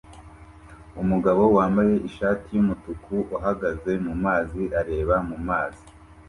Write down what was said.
Umugabo wambaye ishati yumutuku uhagaze mumazi areba mumazi